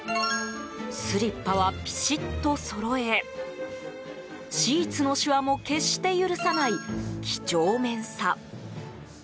スリッパはピシッとそろえシーツのシワも決して許さない几帳面さ。